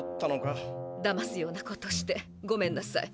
だますようなことしてごめんなさい。